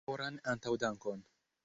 Koran antaŭdankon!